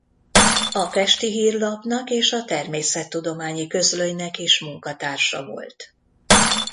A Pesti Hírlapnak és a Természettudományi Közlönynek is munkatársa volt.